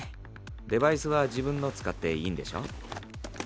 デバイスは自分の使っていいんでしょ？